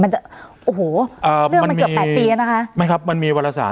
มันจะโอ้โหอ่าเรื่องมันเกือบแปดปีแล้วนะคะไม่ครับมันมีวันละสาม